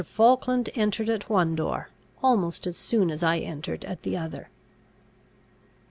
Falkland entered at one door, almost as soon as I entered at the other.